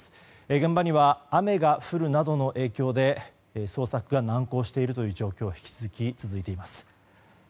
現場には雨が降るなどの影響で捜索が難航しているという状況が引き続き続いています。